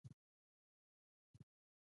د شک د مینځلو لپاره باید څه شی وکاروم؟